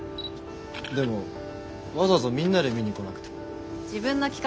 でもわざわざみんなで見に来なくても。